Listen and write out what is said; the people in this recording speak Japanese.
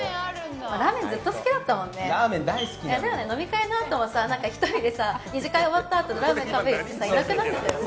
ラーメン、ずっと好きだったもんねだよね、飲み会のあとも１人で２次会終わったあとにラーメンに食べに行っていなくなってたよね。